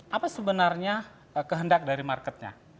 apa sebenarnya kehendak dari marketnya